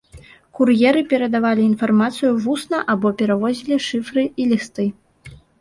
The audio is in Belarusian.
Кур'еры перадавалі інфармацыю вусна або перавозілі шыфры і лісты.